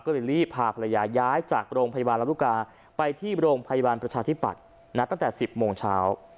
ก็เลยรีบพาภรรยาย้ายจากโรงพยาบาลลำลูกกาไปที่โรงพยาบาลประชาธิปัตย์ตั้งแต่๑๐โมงเช้า